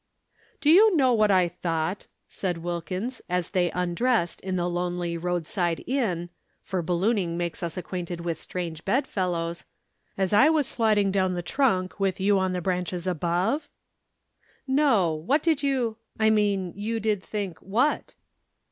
"Do you know what I thought," said Wilkins, as they undressed in the lonely roadside inn (for ballooning makes us acquainted with strange bedfellows), "when I was sliding down the trunk with you on the branches above?" "No what did you I mean you did think what?"